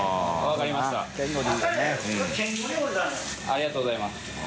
ありがとうございます。